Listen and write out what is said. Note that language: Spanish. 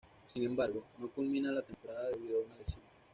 Sin embargo, no culmina la temporada debido a una lesión.